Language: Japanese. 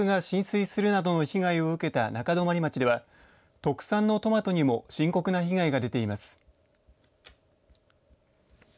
先週の記録的な大雨で住宅が浸水するなどの被害を受けた中泊町では特産のトマトにも深刻な被害が出ています。